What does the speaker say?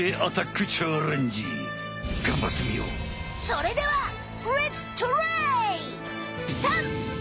それではレッツトライ！